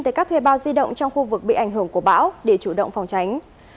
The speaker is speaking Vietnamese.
tới các thuê bao di động trong khu vực bị ảnh hưởng của bão để chủ động phòng tránh